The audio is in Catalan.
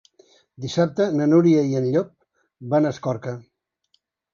Dissabte na Núria i en Llop van a Escorca.